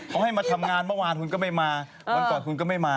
เขาให้มาทำงานเมื่อวานคุณก็ไม่มาวันก่อนคุณก็ไม่มา